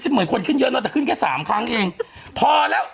มีกระเทยหอยทากอะไรที่ขึ้นไปว่ายท่ำนะคะใช่ไหมป่ะ